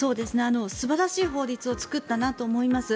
素晴らしい法律を作ったなと思います。